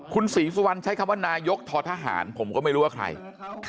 คุณศรีสุวรรณใช้คำว่านายกททหารผมก็ไม่รู้ว่าใคร